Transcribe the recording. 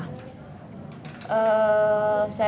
sebenarnya alasan apa